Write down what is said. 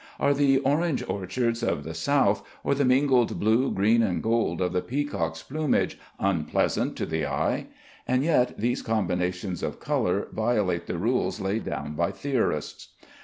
Are the orange orchards of the South, or the mingled blue, green, and gold of the peacock's plumage, unpleasant to the eye? And yet these combinations of color violate the rules laid down by theorists.